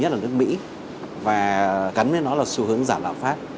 nhất là nước mỹ và cắn với nó là xu hướng giảm lạm phát